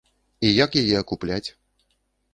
І як яе акупляць?